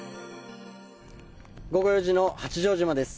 午後４時の八丈島です。